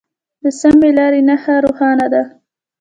د سمې لارې نښه روښانه ده.